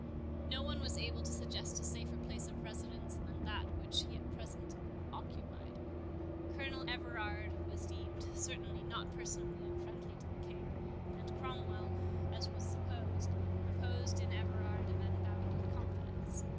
No one was able to suggest a safer place of residence than that which he at present occupied. Colonel Everard was deemed certainly not personally unfriendly to the King; and Cromwell, as was supposed, reposed in Everard an unbounded confidence.